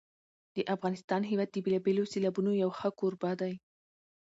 د افغانستان هېواد د بېلابېلو سیلابونو یو ښه کوربه دی.